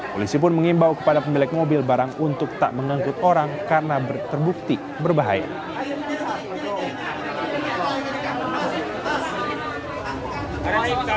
polisi pun mengimbau kepada pemilik mobil barang untuk tak mengangkut orang karena terbukti berbahaya